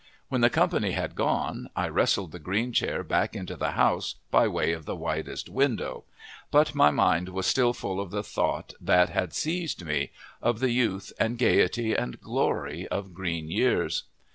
When the company had gone I wrestled the green chair back into the house by way of the widest window, but my mind was still full of the thought that had seized me of the youth, and gaiety, and glory of green years.